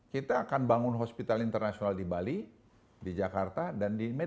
kita akan bangun hospital internasional di bali di jakarta dan di medan